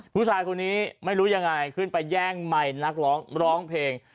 ผู้ชายคนนี้ไม่รู้ยังไงขึ้นไปแย่งไมค์นักร้องร้องเพลง